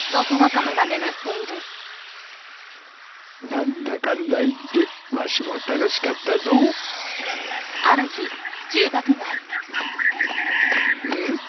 何だかんだ言ってわしも楽しかったぞん？